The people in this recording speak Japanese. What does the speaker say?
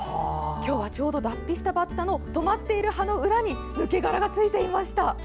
今日はちょうど脱皮したバッタの止まっていた葉の裏に抜け殻がついていました。